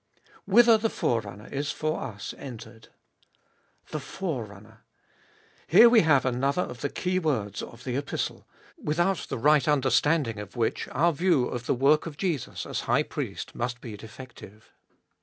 Whither the Forerunner is for us entered. The Fore runner. Here we have another of the keywords of the Epistle, without the right understanding of which our view of the work of Jesus as High Priest must be defective.